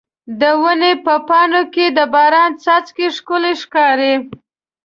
د ونې په پاڼو کې د باران څاڅکي ښکلي ښکاري.